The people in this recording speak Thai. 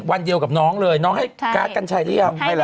วันเดียวกับน้องเลยน้องให้การ์ดกันใช้ได้หรือเปล่า